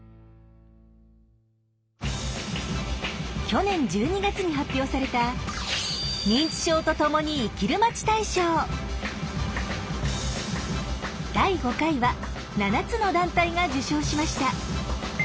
去年１２月に発表された第５回は７つの団体が受賞しました。